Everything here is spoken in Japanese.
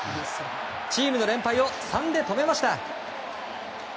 チームの連敗を３で止めました。